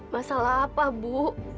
masalah apa bu